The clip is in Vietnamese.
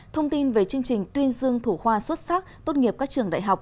thông tin về chương trình tuyên dương thủ khoa xuất sắc tốt nghiệp các trường đại học